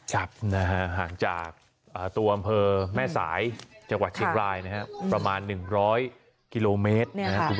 ห่างจากตัวอำเภอแม่สายจังหวัดเชียงรายนะฮะประมาณ๑๐๐กิโลเมตร